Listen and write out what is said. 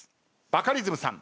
バカリズムさん